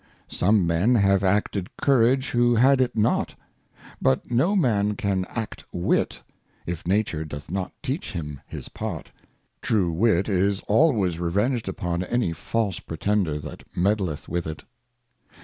Some Men have acted Courage who had it not ; but no Man can act Wit, if Nature doth not teach him his Part. True Wit is always revenged upon any false Pretender that meddleth with it.